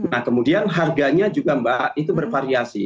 nah kemudian harganya juga mbak itu bervariasi